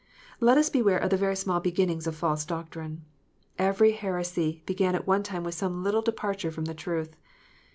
Let us beware of the very small beginnings of false doctrine. Every heresy began at one time with some little departure from the truth.